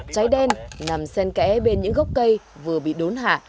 cháy đen nằm sen kẽ bên những gốc cây vừa bị đốn hạ